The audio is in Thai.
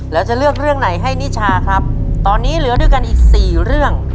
แล้วจะเลือกเรื่องไหนให้นิชาครับตอนนี้เหลือด้วยกันอีกสี่เรื่อง